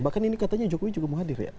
bahkan ini katanya jokowi juga mau hadir ya